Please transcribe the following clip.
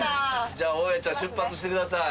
じゃあ大家ちゃん出発してください。